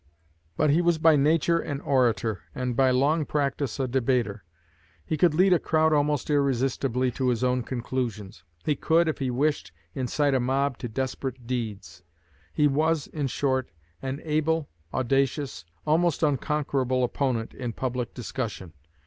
But he was by nature an orator, and by long practice a debater. He could lead a crowd almost irresistibly to his own conclusions. He could, if he wished, incite a mob to desperate deeds. He was, in short, an able, audacious, almost unconquerable opponent in public discussion.